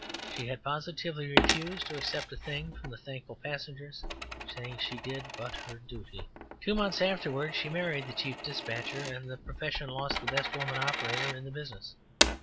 She had positively refused to accept a thing from the thankful passengers, saying she did but her duty. Two months afterwards she married the chief despatcher, and the profession lost the best woman operator in the business.